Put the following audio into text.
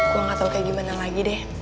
gue gak tau kayak gimana lagi deh